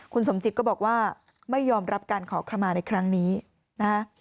คุณสมจิตก็บอกว่าไม่ยอมรับการขอขมาในครั้งนี้นะฮะ